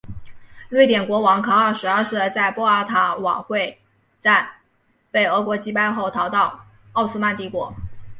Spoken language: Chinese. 瑞典国王卡尔十二世在波尔塔瓦会战被俄国击败后逃到奥斯曼帝国。